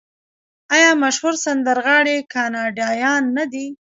آیا مشهور سندرغاړي کاناډایان نه دي؟